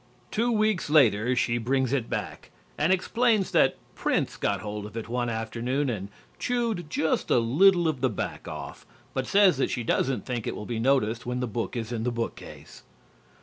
Two weeks later she brings it back, and explains that Prince got hold of it one afternoon and chewed just a little of the back off, but says that she doesn't think it will be noticed when the book is in the bookcase.